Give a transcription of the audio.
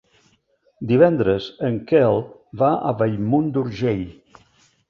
Divendres en Quel va a Bellmunt d'Urgell.